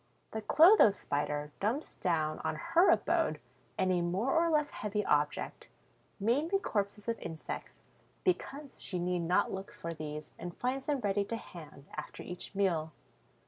The Clotho Spider dumps down on her abode any more or less heavy object, mainly corpses of insects, because she need not look for these and finds them ready to hand after each meal.